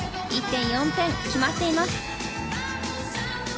１．４点決まっています。